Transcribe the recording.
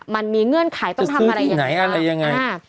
มันมีเงื่อนไขต้องทำอะไรยังไง